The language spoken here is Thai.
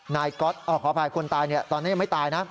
ก๊อตขออภัยคนตายตอนนี้ยังไม่ตายนะ